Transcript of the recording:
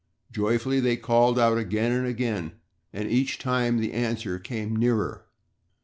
Joyfully, they called out again and again and each time the answer came nearer.